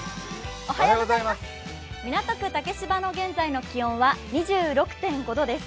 港区竹芝の現在の気温は２６．５度です。